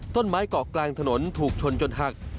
ต้นไม้เกาะกลางถนนถูกชนจนหัก